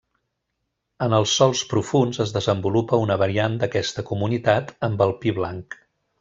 En els sòls profunds es desenvolupa una variant d'aquesta comunitat amb el pi blanc.